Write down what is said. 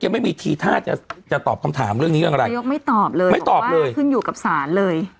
ไม่ตอบเลยบอกว่าขึ้นอยู่กับสารเลย